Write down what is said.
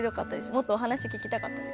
もっとお話聞きたかったです。